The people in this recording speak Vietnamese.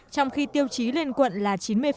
trong khi tiêu chí lên quận là chín mươi